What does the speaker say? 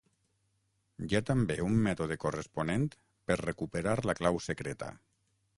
Hi ha també un mètode corresponent per recuperar la clau secreta.